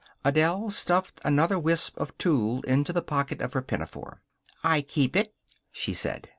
Adele stuffed another wisp of tulle into the pocket of her pinafore. "I keep it," she said.